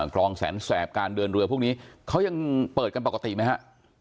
คลองแสนแสบการเดินเรือพวกนี้เขายังเปิดกันปกติไหมฮะ